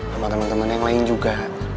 sama temen temen yang lain juga